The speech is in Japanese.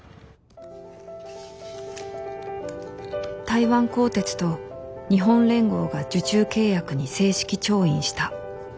台湾高鐵と日本連合が受注契約に正式調印した。